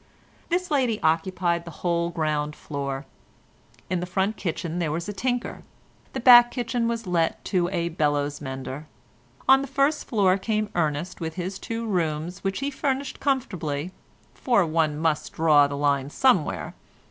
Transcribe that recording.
This lady occupied the whole ground floor. In the front kitchen there was a tinker. The back kitchen was let to a bellows mender. On the first floor came Ernest, with his two rooms which he furnished comfortably, for one must draw the line somewhere.